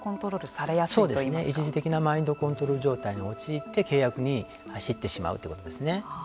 一時的なマインドコントロール状態に陥って走ってしまうということですね。